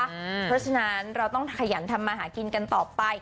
เพราะฉะนั้นเราต้องขยันทำมาหากินกันต่อไป